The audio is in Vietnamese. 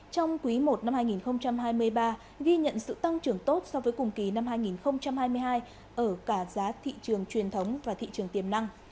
trong quý i năm hai nghìn hai mươi ba ghi nhận sự tăng trưởng tốt so với cùng kỳ năm hai nghìn hai mươi hai ở cả giá thị trường truyền thống và thị trường tiềm năng